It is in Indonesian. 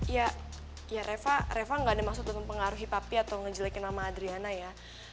ya ya reva refa enggak ada maksud tentang pengaruhi papi atau menjelekin mamah adriana ya